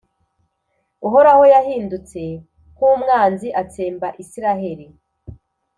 Uhoraho yahindutse nk’umwanzi atsemba Israheli,